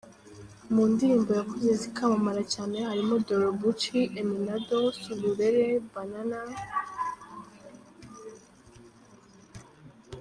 Mu ndirimbo yakoze zikamamara cyane harimo Dorobucci, Eminado, Sulurere, Banana.